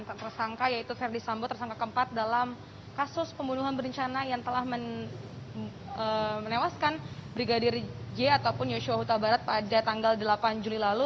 tersangka yaitu verdi sambo tersangka keempat dalam kasus pembunuhan berencana yang telah menewaskan brigadir j ataupun yosua huta barat pada tanggal delapan juli lalu